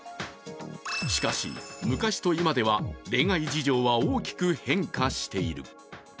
しかし、昔と今では恋愛事情は大きく変化している。